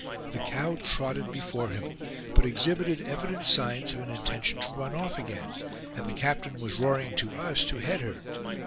The cow trotted before him, but exhibited evident signs of an intention to run off again, and the captain was roaring to us to head her.